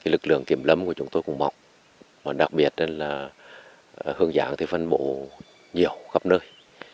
lực lượng kiểm lâm của chúng tôi cũng mọc đặc biệt là hương ráng phân bộ nhiều khắp nơi